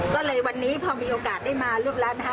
ก็เลยวันนี้พอมีโอกาสได้มารูปร้านนะคะ